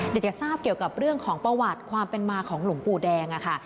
อยากจะทราบเกี่ยวกับเรื่องของประวัติความเป็นมาของหลวงปู่แดงอะค่ะ